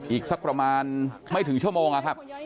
อีกสักประมาณไม่ถึงชั่วโมงนะครับ